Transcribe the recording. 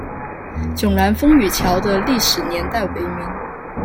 迥澜风雨桥的历史年代为明。